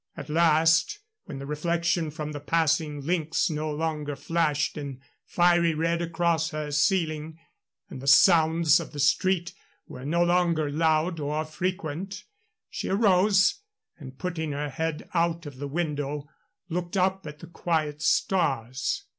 At last, when the reflection from the passing links no longer flashed in fiery red across her ceiling, and the sounds of the street were no longer loud or frequent, she arose, and, putting her head out of the window, looked up at the quiet stars.